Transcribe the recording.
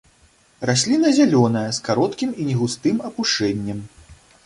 Расліна зялёная, з кароткім і негустым апушэннем.